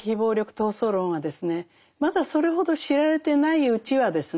まだそれほど知られてないうちはですね